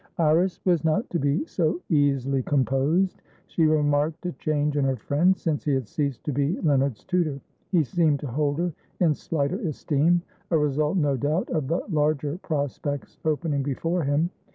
Iris was not to be so easily composed. She remarked a change in her friend since he had ceased to be Leonard's tutor; he seemed to hold her in slighter esteem, a result, no doubt, of the larger prospects opening before him.